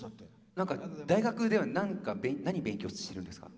大学では何を勉強してるんですか？